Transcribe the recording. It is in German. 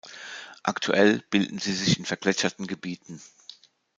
Aktuell bilden sie sich in vergletscherten Gebieten.